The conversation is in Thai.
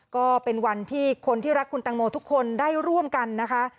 ก็เป็นวันที่คนที่รักคุณตังโมทุกคนได้ร่วมกันนะคะ